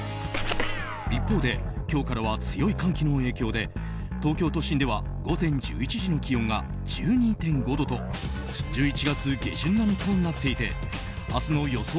一方で、今日からは強い寒気の影響で東京都心では午前１１時の気温が１２．５度と１１月下旬並みとなっていて明日の予想